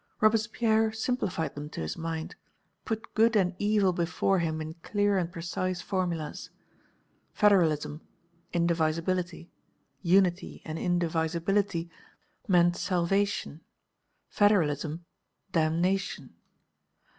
Robespierre simplified them to his mind, put good and evil before him in clear and precise formulas. Federalism, indivisibility; unity and indivisibility meant salvation, federalism, damnation.